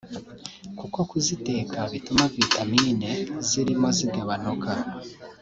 kuko kuziteka bituma vitamine zirimo zigabanuka